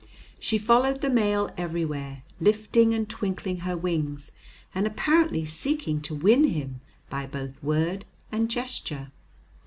She followed the male everywhere, lifting and twinkling her wings, and apparently seeking to win him by both word and gesture.